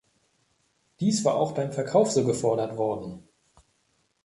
Dies war auch beim Verkauf so gefordert worden.